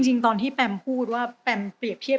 จริงตอนที่แปมพูดว่าแปมเปรียบเทียบ